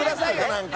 何か。